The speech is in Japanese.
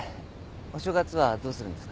お正月はどうするんですか？